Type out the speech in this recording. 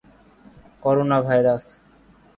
coronavirus